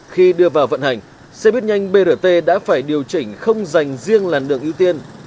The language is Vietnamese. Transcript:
khi đưa vào vận hành xe buýt nhanh brt đã phải điều chỉnh không dành riêng làn đường ưu tiên